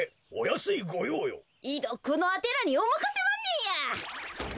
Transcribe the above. イドっこのあてらにおまかせまんねんや。